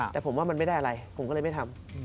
แต่ผมว่ามันไม่ได้อะไรผมก็เลยไม่ทำ